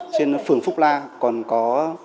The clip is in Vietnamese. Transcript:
trên phường phúc la còn có